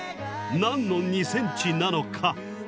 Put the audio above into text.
何の２ｃｍなのか？